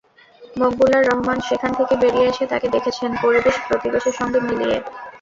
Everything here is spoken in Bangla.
মকবুলার রহমান সেখান থেকে বেরিয়ে এসে তাঁকে দেখেছেন, পরিবেশ প্রতিবেশের সঙ্গে মিলিয়ে।